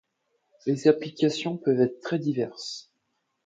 Les applications peuvent être très diverses.